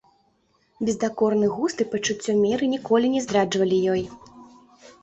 Бездакорны густ і пачуццё меры ніколі не здраджвалі ёй.